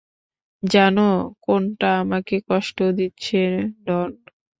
জানো কোনটা আমাকে কষ্ট দিচ্ছে, ডন?